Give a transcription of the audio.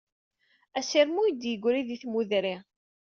Asirem ur yi-d-yegri di tmudri.